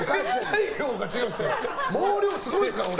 毛量すごいですから、俺！